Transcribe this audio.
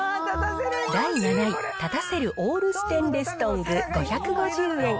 第７位、立たせるオールステンレストング５５０円。